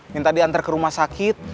minta diantar ke rumah sakit